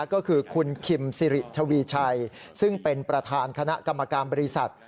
ก็คือคุณคิมสิริทวีชัยซึ่งเป็นประธานคณะกรรมการบริษัท